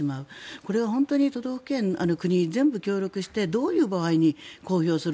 これは本当に都道府県、国が全部協力してどういう場合に公表する。